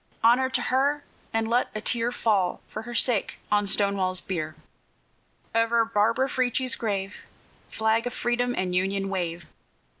Honor to her! and let a tear Fall, for her sake, on Stonewall's bier. Over Barbara Frietchie's grave, Flag of Freedom and Union, wave!